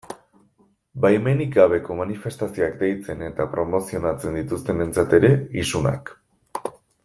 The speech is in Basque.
Baimenik gabeko manifestazioak deitzen eta promozionatzen dituztenentzat ere, isunak.